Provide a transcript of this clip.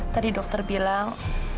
tadi dokter bilang